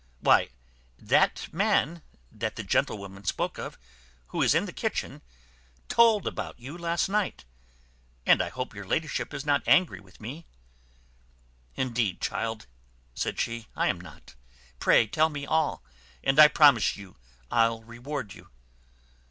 "Why that man, that the gentlewoman spoke of, who is in the kitchen, told about you last night. But I hope your ladyship is not angry with me." "Indeed, child," said she, "I am not; pray tell me all, and I promise you I'll reward you."